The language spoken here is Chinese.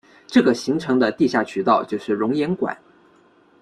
这个形成的地下渠道就是熔岩管。